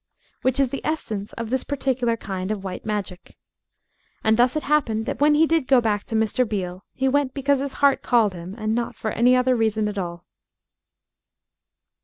Which is the essence of this particular kind of white magic. And thus it happened that when he did go back to Mr. Beale he went because his heart called him, and not for any other reason at all.